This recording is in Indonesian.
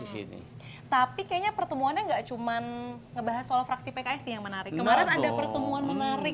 tapi kayaknya pertemuannya enggak cuma membahas soal fraksi pks yang menarik kemarin ada pertemuan